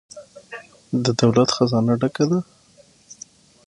د دولت خزانه ډکه ده؟